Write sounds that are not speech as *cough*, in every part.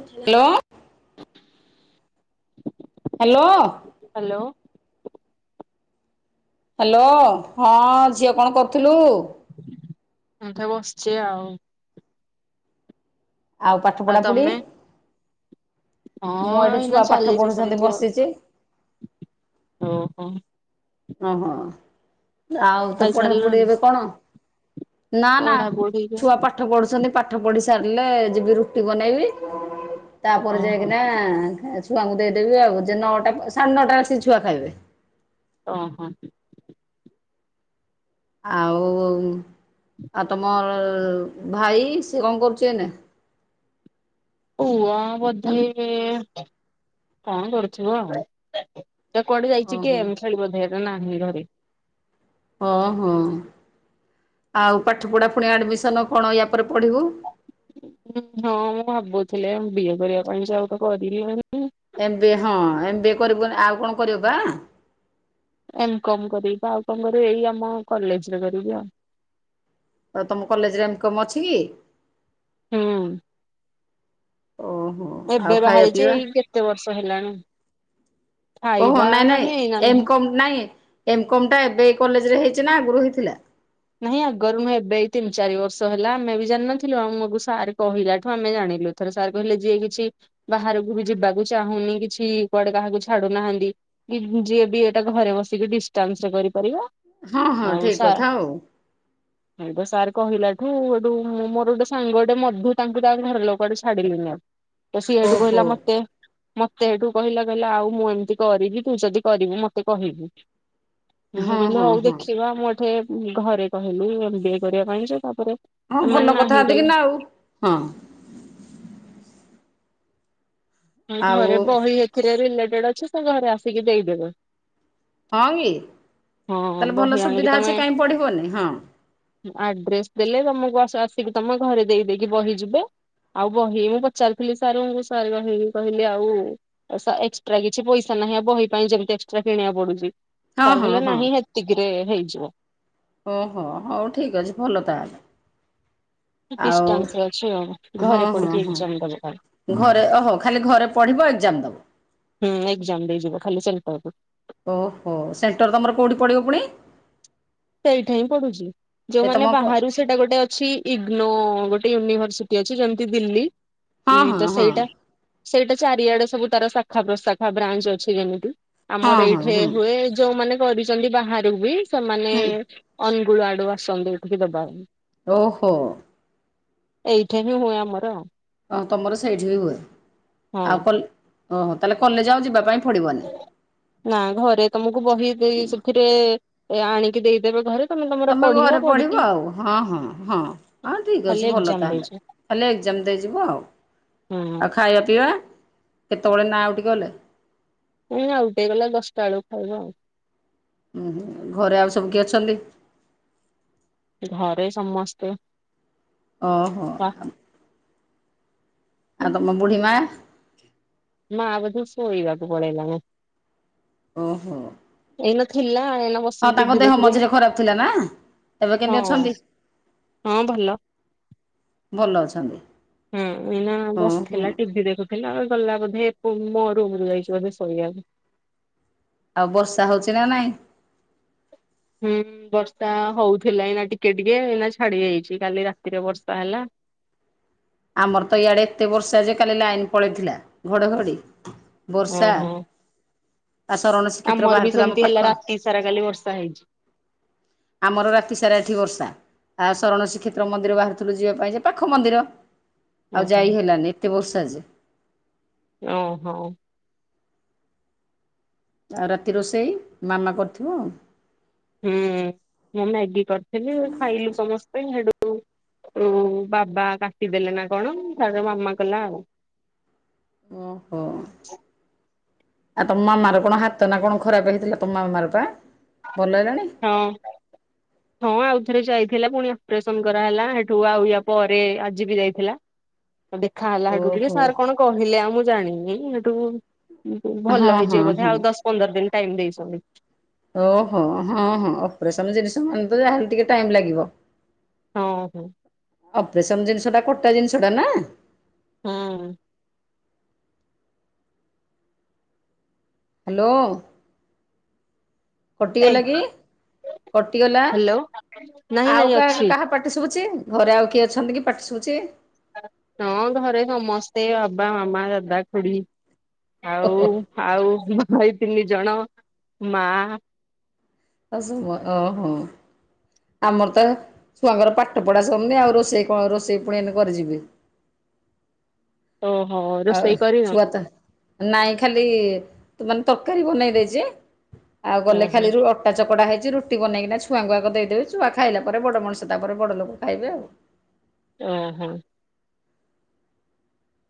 Hello. *inaudible* Hello. Hello. Hello ହଁ ଝିଅ କଣ କରୁଥିଲୁ। ଏଇଠେ ବସିଛି ଆଉ। ଆଉ ପାଠ ପଢ଼ା ପୁଢ଼ି। ହଁ ଏଠି ଏଇନା ଛୁଆ ପାଠ ଚାଲିଛି ପଢୁଛନ୍ତି ସେମିତି ଆଉ। ବସିଛି ଓହୋ ଆଉ ତ ପଢାପୁଢି ଖାଇସାରିଲଣି? ଏବେ କଣ। ନା ନା ପଢା ପଢି ଛୁଆ ପାଠ ପାଠ ପଢୁଛନ୍ତି ପାଠ ପଢି ସାରିଲେ ଯିବି ରୁଟି ବନେଇବି। ତାପରେ ଓହୋ ଯାଇକିନା ଛୁଆଙ୍କୁ ଦେଇଦେବି ଆଉ ଯେ ନଅଟା ସାଢ଼େ ନଅଟା ରେ ସେ ଛୁଆ ଖାଇବେ। ଓହୋ। ଆଉ ଆଉ ତମର ଭାଇ ସି କଣ କରୁଛି ଏଇନେ। ପୁଅ ବୋଧେ ଏବେ କଣ କରୁଥିବ। ହେଟା କୁଆଡେ ଯାଇଛି ଓହୋ ଗେମ୍ ଖେଳିବୋଧେ ହେଟା ନାହିଁ ଘରେ। ଅ ହଁ ଆଉ ପାଠ ପଢ଼ା ପୁଣି ଆଡ଼ମିସନ କଣ ୟା ପରେ ପଢ଼ିବୁ। ହଁ ମୁଁ ଭାବୁଥିଲେ ଏମ୍ ବିଏ କରିବା ପାଇଁ ଜବ୍ କରିଲି। ଏମ୍ ବିଏ ହଁ ଏମ୍ ବିଏ କରିବୁନି ଆଉ କଣ କରିବୁ ବା। ଏମ କମ କରିବି ପା ଆଉ କଣ କରିବି ଏଇ ଆମ କଲେଜ ରେ କରିବି ଆଉ। ଆଉ ତମ କଲେଜରେ ଏମ କମ୍ ଅଛି କି? ହୁଁ। ଓହୋ ଏବେ ଆଉ ବାହା ଖାଇବା ହେଇଛି ପିଇବା ଏଇ କେତେ ବର୍ଷ ହେଲାଣି ଓହୋ ଖାଇବା ନାଇଁ ନାଇଁ ନାହିଁ ଏଇନା ଏମ ନୁହେଁ। କମ ନାଇଁ ଏମ କମ୍ ଟା ଏବେ କଲେଜ ରେ ହେଇଛି ନା ଆଗରୁ ହେଇଥିଲା। ନାଇଁ ଆଗରୁ ମୁଁ ଏବେ ତିନି ଚାରି ବର୍ଷ ହେଲା ଆମେ ବି ଜାଣିନଥିଲୁ ଆମକୁ ସାର କହିଲାଠୁ ଆମେ ଜାଣିଲୁ। ଥରେ ସାର୍ କହିଲେ ଯିଏ କିଛି ବାହାରକୁ ବି ଯିବାକୁ ଚାହୁଁନି କିଛି କୁଆଡେ କାହାକୁ ଛାଡୁନାହାନ୍ତି। ଯିଏ ବି ଏଇଟା ଘରେ ବସିକି ଡିଷ୍ଟାନ୍ସ ରେ କରିପାରିବା। ହଁ ହଁ ଠିକ କଥା ଆଉ। ଆମକୁ ସାର୍ କହିଲାଠୁ ଏଠୁ ମୁଁ ମୋର ଗୋଟେ ସାଙ୍ଗ ଟେ ମଧୁ ତାଙ୍କୁ ତା ଘର ଲୋକ ହେଠୁ ଛାଡି ଲେନି ଆଉ। ତ ସିଏ ହେଠୁ ଓହୋ କହିଲା ମତେ। ମତେ ଏଇଠୁ କହିଲା କହିଲା ଆଉ ମୁଁ ଏମିତି କରିବି ତୁ ଯଦି କରିବୁ ମତେ କହିବୁ। ମୁଁ ହଁ କହିଲି ହଁ ହଉ ହଁ। ଦେଖିବା ମୁଁ ଏଠେ ଘରେ କହିଲି ଏମ୍ ବିଏ କରିବା ପାଇଁ ଯେ ତାପରେ। ହଁ ଏମାନେ ଭଲ କଥା ନାହିଁ କଲେ ଅଧିକି ନାଉ ହଁ। ଆ ଏ ଆଉ ଘରେ ବହି ଏଥିରେ ରିଲେଟେଡ୍ ଅଛି ସେ ଘରେ ଆସିକି ଦେଇଦେବେ। ହଁ କି ହଁ ତାହେଲେ ଭଲ ବହି ଆଣିକି ସୁବିଧା ତମେ ଅଛି କାଇଁ ପଢିବନି ହଁ। ଆଡ୍ରେସ ଦେଲେ ତମକୁ ଆସିକି ତମ ଘରେ ଦେଇ ଦେଇକି ବହି ଯିବେ। ଆଉ ବହି ମୁଁ ପଚାରିଥିଲି ସାର୍ ଙ୍କୁ ସ ରହି କହିଲେ ଆଉ ସା ଏକ୍ସଟ୍ରା କିଛି ପଇସା ନାହିଁ ଆ ବହି ପାଇଁ ଯେମିତି ଏକ୍ସଟ୍ରା କିଣିବାକୁ ପଡୁଚି। ହଁ ସାର ହଁ କହିଲେ ହଁ। ନାହିଁ ହେତିକିରେ ହେଇଯିବ। ଓହୋ ହୋଉ ଠିକ୍ ଅଛି ଭଲ ତାହେଲେ। ଆଉ ଡିଷ୍ଟାନ୍ସରେ ଅଛି ଆଉ ହଁ ଘରେ ହଁ ପଢିକି ହଁ ଏକ୍ସାମ ଦବ କାଳେ। ଘରେ ଓହୋ ଖାଲି ଘରେ ପଢିବ ଏକ୍ସାମ ଦବ। ହୁଁ ଏକ୍ସାମ ଦେଇଯିବ ଖାଲି ସେଣ୍ଟରକୁୁ। ଓହୋ ସେଣ୍ଟର ତମର କୋଉଠି ପଡିବ ପୁଣି? ଏଇଠେ ହିଁ ପଡୁଚି ଏ ତମ ଯୋଉମାନେ ହଁ ବାହାରୁ ସେଇଟା ଗୋଟେ ଅଛି ଇ-ଇଗନୋ ଗୋଟେ ୟୁନିଭର୍ସିଟି ଅଛି ଯେମିତି ଦିଲ୍ଲୀ। ଇ ହଁ ତ ହଁ ହଁ ସେଇଟା ସେଇଟା ଚାରିଆଡେ ସବୁ ତାର ଶାଖା ପ୍ରଶାଖା ବ୍ରାଞ୍ଚ ଅଛି ଯେମିତି ଆମର ହଁ ଏଇଠେ ହୁଁ ହୁଏ ଯୋଉମାନେ କରିଚନ୍ତି ବାହାରୁ ବି ସେମାନେ ହୁଁ ଅନୁଗୁଳ ଆଡୁ ଆସନ୍ତି ଏଠିକି ଦବା ପାଇଁ। ଓହୋ। ଏଇଠେ ହିଁ ହୁଏ ଆମର। ଓ ତମର ସେଇଠି ବି ହୁଏ ଆଉ ହଁ। କଲ୍ ଓହୋ ତାହେଲେ କଲେଜ ଆଉ ଯିବା ପାଇଁ ପଡିବନ। ନା ଘରେ ତମକୁ ବହି ଦେଇ ସେଥିରେ ଏ ଆଣିକି ଦେଇଦେବେ ଘରେ। ତମେ ଘରେ ପଢିବ ଆଉ ହଁ ହଁ ହଁ ହଁ ଠିକ୍ ଖାଲି ଅଛି ଭଲ ଏକ୍ଜାମ ଦେଇଛ ତାହେଲେ। ଖାଲି ଏକ୍ସାମ ଦେଇଯିବ ଆଉ। ହୁଁଁ। ଆଉ ଖାଇବା ପିଇବା କେତେବେଳେ ନା ଆଉ ଟିକେ ଗଲେ? ଏ ଆଉ ଟିକେ ଗଲା ଦଶଟା ବେଳକୁ ଖାଇବୁ ଆଉ। ଉଁ ହୁଁ ଘରେ ଆଉ ସବୁ କିଏ ଅଛନ୍ତି? ଘରେ ସମସ୍ତେ ଓହୋ ବା ଆମ୍ ଆ *unintelligible* ବୁଢିମା? ମା ବୋଧେ ଶୋଇବାକୁ ପଳେଇଲାଣି। ଓହୋ। ଏଇନା ଥିଲା ଏଇନା ପ ହଁ ତାଙ୍କ ଦେହ ମଝିରେ ଖରାପ ଥିଲା ନା ଏବେ ହଁ କେମିତି ଅଛନ୍ତି? ହଁ ଭଲ। ଭଲ ଅଛନ୍ତି। ହୁଁ ଏଇନା ହୁଁ ହୁଁ ବସିଥିଲା ଟିଭି ଦେଖୁ ଥିଲା ଗଲା ବୋଧେ ପୁ ମୋ ରୁମରୁ ଯାଇଚି ବୋଧେ ଶୋଇବାକୁ। ଆଉ ବର୍ଷା ହୋଉଚି ନା ନାଇଁ? ହୁଁ ବର୍ଷା ହୋଉଥିଲା ଏଇନା ଟିକେ ଟିକେ ଏଇନା ଛାଡି ଯାଇଚି। କାଲି ରାତିରେ ବର୍ଷା ହେଲା। ଆମର ତ ଇଆଡେ ଏତେ ବର୍ଷା ଯେ କାଲି ଲାଇନ୍ ପଳେଇଥିଲା ଘଡଘଡି ବର୍ଷା ଓହୋ ଆସ ରଣସ୍ କ୍ଷେତ୍ର ଆମର ବି ବାହାରୁଥିବ ଆମ ସେମିତି ହେଲା ପାଖ ହ *inaudible* ରାତି ସାରା କାଲି ବର୍ଷା ହେଇଛି ଆମର ରାତି ସାରା ଏଠି ବର୍ଷା ଆ ସରଣ ଶ୍ରୀକ୍ଷେତ୍ର ମନ୍ଦିର ବାହାରୁଥିଲୁ ଯିବା ପାଇଁ ଯେ ପାଖ ମନ୍ଦିର ଆଉ ଓହୋ ଯାଇ ହେଲାନି ଏତେ ବର୍ଷା ଯେ। ଓ ହୋ। ଆଉ ରାତି ରୋଷେଇ ମାମା କରିଥିବ। ହୁଁ ମୁଁ ମ୍ୟାଗି କରିଥିଲି ଖାଇଲୁ ସମସ୍ତେ ହେଡୁ ଓ ବାବା କାଟିଦେଲେ ନା କଣ ତାପ୍ ରେ ମାମା କଲା ଆଉ। ଓହୋ। ଆଉ ତମ ମାମାର କଣ ହାତ ନା କଣ ଖରାପେ ହେଇଥିଲା ତମ ମାମର ପା ଭଲ ହେଲାଣି। ହଁ। ହଁ ଆଉଥରେ ଯାଇଥିଲା ପୁଣି ଅପ୍ରେସନ୍ କରାହେଲା ହେଠୁ ଆଉ ୟା ପରେ ଆଜି ବି ଯାଇଥିଲା। ଦେଖାହଲା ହେଠୁ ଟିକେ ଓହୋ। ସାର୍ କଣ କହିଲେ ଆଉ ମୁଁ ଜାଣିନି ସେଠୁ। ହଁ ଭଲ ହଁ ହେଇଯିବ ବୋଧେ ହଁ ଆଉ ଦଶ୍ ପନ୍ଦର ଦିନ୍ ଟାଇମ୍ ଦେଇଛନ୍ତି। ଓହୋ ହଁ ହଁ ଅପ୍ରେସନ୍ ଜିନିଷ ମାନେ ତ ଯାହେଲେ ଟିକେ ଟାଇମ୍ ଲାଗିବ। ହଁ ହୋ। ଅପ୍ରେସନ୍ ଜିନ୍ଷଟା କଟା ଜିନ୍ସ ଟା ନା। ହୁଁ। ହ୍ୟାଲୋ। ଏଇ କଟିଗଲା କି କଟିଗଲା ହ୍ୟାଲୋ ନାଇଁ ଆଉ ନାଇଁ କା ଅଛି କାହା ପାଟ୍ ଟି ଶୁଭୁଚି ଘରେ ଆଉ କିଏ ଅଛନ୍ତି କି ପାଟି ଶୁଭୁଛି। ହଁ ଘରେ ସମସ୍ତେ ବାବା ମାମା ଦାଦା ଖୁଡି ଆଉ ଓହୋ ଆଉ ମୋ ଭାଇ ତିନି ଜଣ ମା ଅ ଶୁ ମ ଅ ହୋ। ଆମର ତେ ଛୁଆଙ୍କର ପାଠ ପଢା ସର୍ନି ଆଉ ରୋଷେଇ କଣ ରୋଷେଇ ପୁଣି ଏଇନା କରିଯିବେ। ଓହୋ। ଆଉ ରୋଷେଇ କରିନ ଛୁଆତେ ନାଇଁ ଖାଲି ତୁ ମାନେ ତର୍କାରୀ ବନେଇ ଦେଇଚି ଆଉ ଗଲେ ଓହୋ ଖାଲି ରୁ ଅ ଟା ଚକଡ଼ା ହେଇଚି ରୁଟି ବନେଇକିନା ଛୁଆଙ୍କୁ ଆଗ ଦେଇଦେବେ ଛୁଆ ଖାଇଲା ପରେ ବଡ଼ ମଣିଷ ତାପରେ ବଡ଼ ଲୋକ ଖାଇବେ ଆଉ। ଓଁ ହୋ।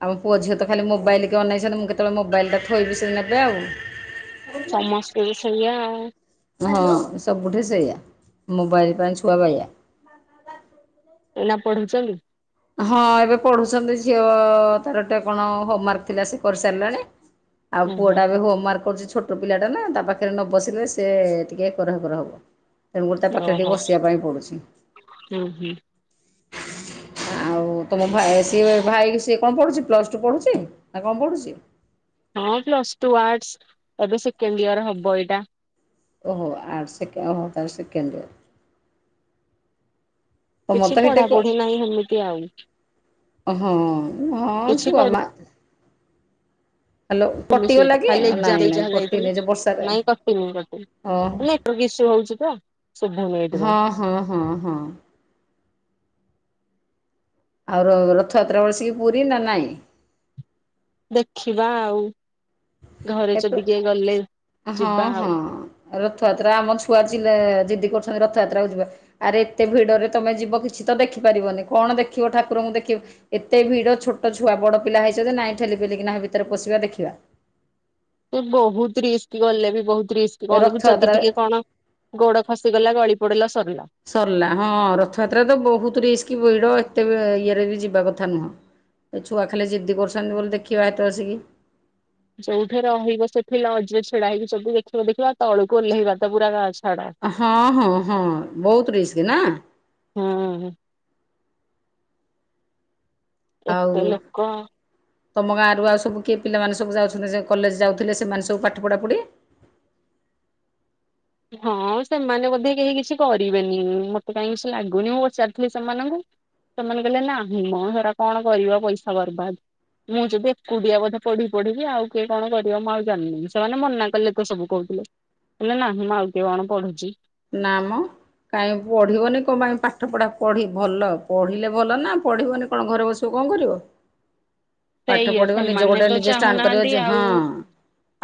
ଆମ ପୁଅ ଝିଅ ତ ଖାଲି ମୋବାଇଲି କି ଅନେଇଛନ୍ତି ମୁଁ କେତେବେଳେ ମୋବାଇଲ ଟା ଥୋଇବି ସେ ନେବେ ଆଉ। ସମସ୍ତେ ବି ସେଇଆ ଆଉ। ହଁ ସବୁଠି ସେୟା ମୋବାଇଲ୍ ପାଇଁ ଛୁଆ ବାୟା। ଏଇନା ପଢୁଚନ୍ତି। ହଁ ଏବେ ପଢୁଛନ୍ତି ଝିଅ ତାର ଟେ କଣ ହୋମ୍ୱାର୍କ ଥିଲା ସେ କର୍ସାରିଲାଣି। ଆଉ ଓହୋ ପୁଅଟା ବି ହୋମ୍ୱାର୍କ କରୁଛି ଛୋଟ ପିଲାଟା ନା ତା ପାଖରେ ନ ବସିଲେ ସେ ଟିକେ ଏକର ହେକର ହବ। ତେଣୁକରି ତା ପାଖରେ ଟିକେ ଓହୋ ବସିବା ପାଇଁ ପଡୁଛି। ହୁଁ ହୁଁ। ଆଉ ତମ ଭାଇ ସିଏ ଭାଇ ସିଏ କଣ ପଢ଼ୁଚି ପ୍ଲସ୍ ଟୁ ପଢ଼ୁଚି ନା କଣ ପଢ଼ୁଚି। ହଁ ପ୍ଲଶ୍ ଟୁ ଆର୍ଟସ୍ ଏବେ ସେକେଣ୍ଡ ଇୟର୍ ହବ ଏଇଟା। ଓହୋ ଆଠ ସେକେ ଓହୋ ତାର ସେକେଣ୍ଡ ୟର୍। ତ କିଛି ମତେ ବି ଟେକୁ ପଢାପଢି ନାହିଁ ହେମିତି ଆଉ ହଁ ହଁ କିଛି ଛୁଆ ମା। ହ୍ୟାଲୋ କଟିଗଲା କି *unintelligible* ନାଇଁ ନାଇଁ କଟିନି ଯାଇଥିଲେ ଯେ ବର୍ଷାରେ ନାଇଁ କଟିନି। ଓହୋ ନେଟ୍ରୁ କ୍ ଇଶୁ ହଉଚୀ ତ ସ ସବୁନି ଏଇଥିପାଇଁ। ହଁ ହଁ ହଁ ହଁ। ଆଉ ର ରଥଯାତ୍ରା ବସିକି ପୁରୀ ନା ନାଇଁ। ଦେଖିବା ଆଉ ଘରେ ଏପ ଯଦି କିଏ ଗଲେ ହଁ ଯିବା ହଁ ଆଉ। ରଥଯାତ୍ରା ଆମ ଛୁଆ ଚିଲେ ଯିଦି କରୁଛନ୍ତି ରଥଯାତ୍ରାକୁୁ ଯିବା ଆରେ ଏତେ ଭିଡରେ ତମେ ଯିବ କିଛି ତ ଦେଖିପାରିବନି କଣ ଦେଖିବ ଠାକୁରଙ୍କୁ ଦେଖିବ। ଏତେ ଭିଡ ଛୋଟ ଛୁଆ ବଡ ପିଲା ହେଇଚନ୍ତି ନାଇଁ ଠେଲି ପିଲି ନା ଭିତରେ ପସିବା ଦେଖିବା। ତ ବହୁତ ରିସ୍କି ଗଲେ ବି ବହୁତ ରିସ୍କି ଗହଳିକୁ ଯଦି ରଥଯାତ୍ରା ଟିକେ କଣ ଗୋଡ ଖସିଗଲା ଗଳି ପଡିଲା ସରିଲା। ସରିଲା ହଁ, ରଥଯାତ୍ରା ତ ବହୁତ ରିସ୍କ ଭିଡ଼ ଏତେ ଇଏରେ ବି ଯିବା କଥା ନୁହଁ। ଏ ଛୁଆ ଖାଲି ଜିଦି କରୁଛନ୍ତି ବୋଲି ଦେଖିବା ହେତେ ବଳସିକି। ଯୋଉଠି ରହିବ ସେଠି ଲଜରେ ଛିଡାଇକି ସବୁ ଦେଖିବ ଦେଖିବ ଆଉ ତଳକୁ ଓହ୍ଲେଇବା ତ ପୁରା ଛାଡ। ହଁ, ହଁ, ହଁ ବହୁତ ରିସ୍କ ନା? ହଁ। ଏତେ ଆଉ ଲୋକ ତମ ଗାଁରୁ ଆଉ ସବୁ କିଏ ପିଲାମାନେ ସବୁ ଯାଉଛନ୍ତି କଲେଜ ଯାଉଥିଲେ ସେମାନେ ସବୁ ପାଠ ପଢ଼ା ପୁଢ଼ି ହଁ ସେମାନେ ବୋଧେ କେହି କିଛି କରିବେନି। ମୋତେ କାହିଁ କିଛି ଲାଗୁନି। ମୁଁ ପଚାରିଥିଲି ସେମାନଙ୍କୁ ସେମାନେ କହିଲେ ନାହିଁ ମ ହେରା କଣ କରିବ, ପଇସା ବର୍ବାଦ। ମୁଁ ଯଦି ଏକୁଟିଆ ବଧେ ପଢିବି ପଢିବି। ଆଉ କିଏ କଣ କରିବ ମୁଁ ଆଉ ଜାଣିନି। ସେମାନେ ମନା କଲେ ତ ସବୁ କହୁଥିଲେ। କହିଲେ ନାହିଁ ମ, ଆଉ କିଏ କଣ କଣ ପଢୁଚି। ନା ମ କାହିଁକି ପଢିବନି କଣପାଇଁ ପାଠ ପଢା ପଢି ଭଲ। ପଢିଲେ ଭଲ ନା ପଢିବନି କଣ ଘରେ ବସି କଣ କରିବ? ପାଠ ସେଇଆ ପଢ଼ିବ ନିଜେ ସେମାନେ ଗୋଟେ ତ ନିଜେ ଷ୍ଟାଣ୍ଡ କରିବ ଚାହୁଁନାହାନ୍ତି ଯେ, ଆଉ ହଁ।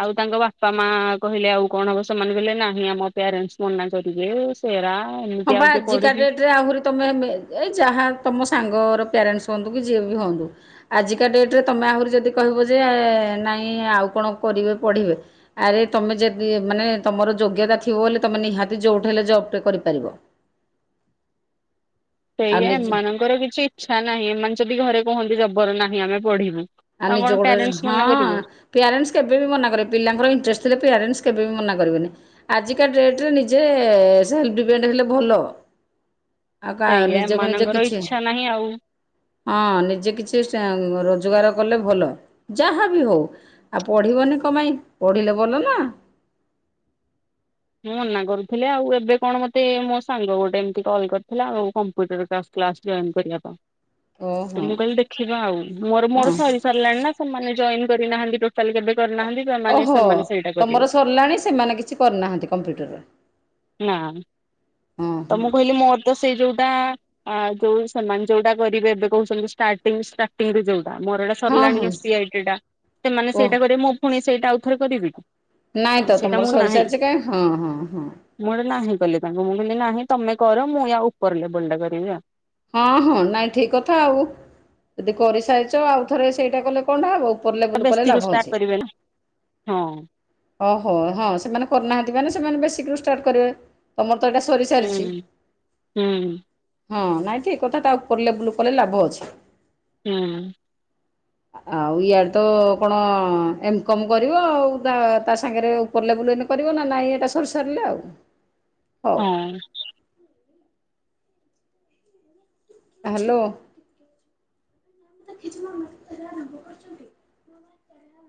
ଆଉ ତାଙ୍କ ବାପା ମା କହିଲେ ଆଉ କଣ ହବ, ସେମାନେ କହିଲେ ନାହିଁ ଆମ ପ୍ୟାରେଣ୍ଟସ୍ ମନା କରିବେ। ସେରା ହଁ ଏମିତି ବା ଆଉ କିଏ ଆଜିକା ପଢୁଚି? ଡେଟ୍ରେ ଆହୁରି ତମେ ଏମ ଯାହା ତୁମ ସାଙ୍ଗର ପ୍ୟାରେଣ୍ଟସ୍ ହୁଅନ୍ତୁ କି ଯିଏ ବି ହୁଅନ୍ତୁ ଆଜିକା ଡେଟରେ ତୁମେ ଆହୁରି ଯଦି କହିବ ଯେ ନାଇଁ ଆଉ କଣ କରିବେ ପଢ଼ିବେ ଆରେ ତମେ ଯଦି ମାନେ ତମର ଯୋଗ୍ୟତା ଥିବ ବୋଲି ତମେ ନିହାତି ଯୋଉଠି ହେଲେ ଜବ ଟେ କରିପାରିବ। ଆଉ ସେଇଆ ନିଜେ ଏମାନଙ୍କର କିଛି ଇଚ୍ଛା ନାହିଁ, ଏମାନେ ଯଦି ଘରେ କୁହନ୍ତି ଜବର ନାହିଁ ଆମେ ପଢିବୁ। ଆ ତାଙ୍କୁ କଣ ନିଜ ଗୋଡରେ, ପ୍ୟାରେଣ୍ଟସ୍ ହଁ। ମନା କରିବେ ପ୍ୟାରେଣ୍ଟସ୍ କେବେ ବି ମନାକରିବେନି। ପିଲାଙ୍କର ଇଣ୍ଟରେଷ୍ଟ ଥିଲେ ପ୍ୟାରେଣ୍ଟସ୍ କେବେ ବି ମନା କରିବେନି। ଆଜିକା ଡେଟରେ ନିଜେ ସେଲ୍ ଡିପେଣ୍ଡ ହେଲେ ଭଲ। ଆଉ କା ସେଇଆ ନିଜକୁ ନିଜେ ଏମାନଙ୍କର କିଛି ଇଚ୍ଛା ନାହିଁ ଆଉ ହଁ ନିଜେ କିଛି ଷ୍ଟା ରୋଜଗାର ଗଲେ ଭଲ, ଯାହା ବି ହଉ ଆଉ ପଢିବନି କମପାଇଁ ପଢିଲେ ଭଲ ନା। ମୁଁ ମନା କରୁଥିଲି ଆଉ ଏବେ କଣ ମତେ ମୋ ସାଙ୍ଗ ଗୋଟେ ଏମିତି କଲ୍ କରିଥିଲା ଆଉ କମ୍ପ୍ୟୁଟର କ୍ଲା କ୍ଲାସ ଜଏନ କରିବା ପାଇଁ, ତ ଓହୋ ମୁ କହିଲି ଦେଖିବା ଆଉ। ମୋର ହଁ ମୋର ସରି ଲାଣି ନା ସେମାନେ ଜଏନ କରିନାହାନ୍ତି, ଟୋଟାଲ କେବେ କରିନାହାନ୍ତି। ସେମାନେ ଓହୋ ସେମାନେ ସେଇଟା କରିବେ ତମର ସରିଲାଣି। ସେମାନେ କିଛି କରିନାହାନ୍ତି କମ୍ପ୍ୟୁଟର। ନା, ତ ମୁଁ କହିଲି ମୋ ତ ସେଇ ଯୋଉଟା ଯୋଉ ସେମାନେ ଯୋଉଟା କରିବେ ଏବେ କହୁଛନ୍ତି ଷ୍ଟାରଟିଙ୍ଗ ଷ୍ଟାର୍ଟିଂରେ ଯୋଉ ମୋର ଏଇଟା ହଁ ହଁ ସରିଲାଣି ସି ଆଇ ଟି ଟା। ସେମାନେ ଓ ସେଇଟା କରିବେ ମୁ ପୁଣି ସେଇଟା ଆଉ ଥରେ କରିବି କି? ନାଇଁ ତ ସେଇଟା ତମର ମୁଁ ନାହିଁ ସରିସାରିଛି କାଇଁ, ହଁ ହଁ ହଁ। ମୁଁ ହେଠେ ନାହିଁ କଲି ତାଙ୍କୁ। ମୁଁ କହିଲି ନାହିଁ ତମେ କର ମୁଁ ୟା ଉପର ଲେବୁଲ ଟା କରିବି ଆଉ। ହଁ, ହଁ ନାଇଁ ଠିକ କଥା ଆଉ। ଯଦି କରିସାରିଛ ଆଉ ଥରେ ସେଇଟା କଲେ କଣଟା ହବ? ଉପର ଆଉ ଲେବୁଲ କଲେ ବେଶୀରୁ ଲାଭ ଷ୍ଟାର୍ଟ ଅଛି। କରିବେନି ହଁ। ଓହୋ, ହଁ ସେମାନେ କରିନାହାନ୍ତି ମାନେ ସେମାନେ ବେଶୀକ ରୁ ଷ୍ଟାର୍ଟ କରିବେ। ତମର ତ ଏଇଟା ସରି ସାରିଚି। ହୁଁ ହୁଁ ହଁ ନାଇଁ ଠିକ୍ କଥା। ତା ଉପର ଲେବୁଲ କଲେ ଲାଭ ଅଛି। ହୁଁ। ଆଉ ଇଆଡଡେ ତ କଣ ଏମ କମ୍ କରିବ ଆଉ। ଯା ତା ସାଙ୍ଗେରେ ଉପର ଲେବୁଲ ଏଇନେ କରିବ ନା ନାଇଁ ଏଟା ସରି ସାରିଲେ ଆଉ? ହଉ ହଁ। ହାଲୋ। ନମସ୍କାର।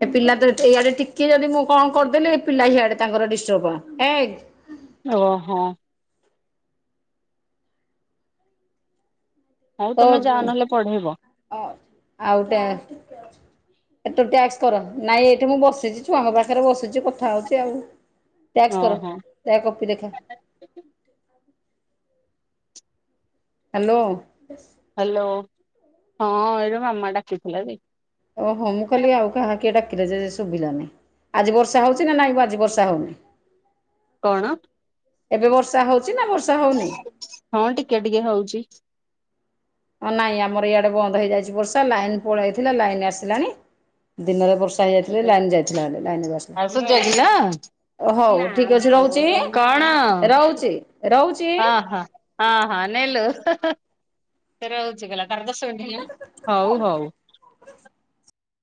ଏ ପିଲା ତ ଯେ ଏଇଆଡ଼େ ଟିକେ ଯଦି ମୁଁ କଣ କରଦେଲି ପିଲା ହିଆଡ଼େ ତାଙ୍କର ଡିଷ୍ଟର୍ବ ହେଇ ଓହୋ। ହଉ ତମେ ଯାହା ନହେଲେ ପଢ଼େଇବ। ଅ ଆଉ ଟ୍ୟା ଆଉ ତୁ ଟ୍ୟାକ୍ସ କର ନାଇଁ ଏଇଠେ ମୁଁ ବସିଚି ଛୁଆଙ୍କ ପାଖେରେ ବସିଚି କଥା ହଉଚି ଆଉ। ଟ୍ୟାକ୍ସ କର ଓହୋ ତା କପି ଦେଖା? ହାଲୋ। ହାଲୋ ହଁ ଏଇ ଯୋଉ ମାମା ଡାକିଥିଲା ଯେ ଓହୋ ମୁଁ କହିଲି ଆଉ କାହା କିଏ ଡାକିଲା ଯେ ଶୁବିଲାନି। ଆଜି ବର୍ଷା ହଉଚି ନା ନାଇଁ ଆଜି ବର୍ଷା ହଉନି? କଣ? ଏବେ ବର୍ଷା ହଉଚି ନା ବର୍ଷା ହଉନି? ହଁ ଟିକେ ଟିକେ ହଉଚି। ହଁ ନାଇଁ ଆମର ଇଆଡ଼େ ବନ୍ଦ ହେଇଯାଇଚି ବର୍ଷା ଲାଇନ ପଳେଇଥିଲା ଲାଇନ ଆସିଲାଣି। ଦିନରେ ବର୍ଷା ହେଇଯାଇଥିଲେ ଲାଇନ୍ ଯାଇଥିଲା ଭାରି ଲାଇନ୍ ଏବେ ଆସିଲା। ଆଉ ସୁଜି ଆସିଲା ଅ ହଉ ଠିକ ଅଛି ରହୁଚି କଣ? ରହୁଚି ରହୁଚିଁ? ହଁ ହଁ ହଁ ହଁ ନେଲୋ ହ ହ ସେ ରହୁଚି କହିଲା ତାର ଦଶ ମିନଟି ହେଲାଣି ହଉ ହଉ।